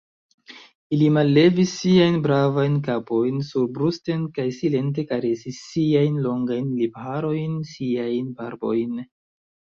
Ili mallevis siajn bravajn kapojn surbrusten kaj silente karesis siajn longajn lipharojn, siajn barbojn.